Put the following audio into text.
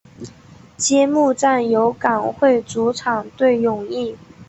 揭幕战由港会主场对永义。